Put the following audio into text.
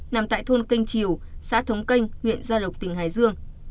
nằm tại thôn kênh triều xã thống kênh nguyện gia lộc tỉnh hải dương